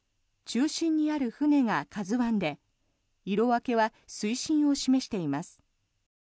中心にある船が「ＫＡＺＵ１」で色分けは水深を示しています。